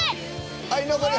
はい残り。